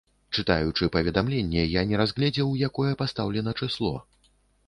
Чытаючы паведамленне, я не разгледзеў, якое пастаўлена чысло.